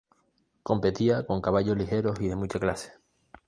Competía con caballos ligeros y de mucha clase.